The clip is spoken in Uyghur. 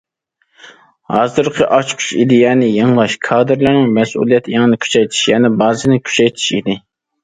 ھازىرقى ئاچقۇچ ئىدىيەنى يېڭىلاش، كادىرلارنىڭ مەسئۇلىيەت ئېڭىنى كۈچەيتىش، يەنە بازىنى كۈچەيتىش ئىدى.